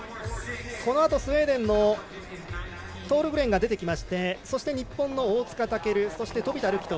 このあとスウェーデンのトールグレンが出てきましてそして日本の大塚健、飛田流